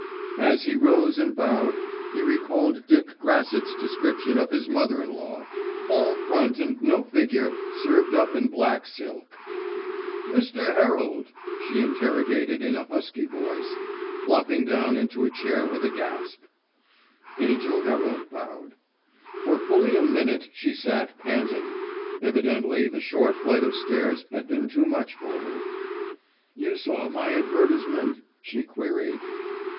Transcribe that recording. As he rose and bowed he recalled Dick Grassetts' description of his mother in law, "All front and no figure served up in black silk." "Mr. Herald?" she interrogated in a husky voice, flopping down into a chair with a gasp. Angell Herald bowed. For fully a minute she sat panting. Evidently the short flight of stairs had been too much for her. "You saw my advertisement?" she queried.